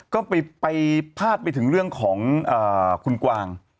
ก็ไปพาดไปถึงเรื่องของคุณกวาง